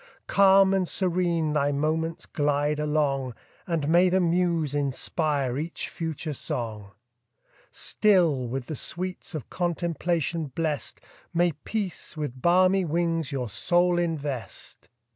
Calm and serene thy moments glide along, And may the muse inspire each future song! Still, with the sweets of contemplation bless'd, May peace with balmy wings your soul invest!